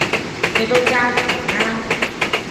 你都揸得唔啱